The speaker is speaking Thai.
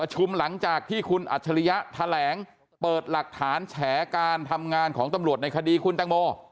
หลังจากที่คุณอัจฉริยะแถลงเปิดหลักฐานแฉการทำงานของตำรวจในคดีคุณตังโม